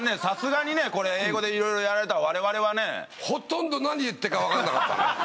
さすがにねこれ英語でいろいろやられたら我々はね。ほとんど何言ってるかわかんなかったね。